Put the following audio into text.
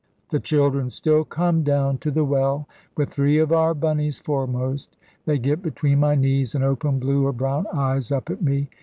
The children still come down to the well, with three of our Bunny's foremost; they get between my knees, and open blue or brown eyes up at me.